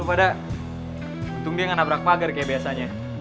untung dia gak nabrak makger kayak biasanya